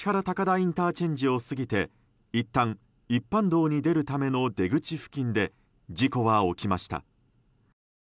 ＩＣを過ぎていったん一般道に出るための出口付近で事故は起きました。